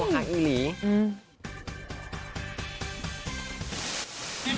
อื้อข้างอิหลี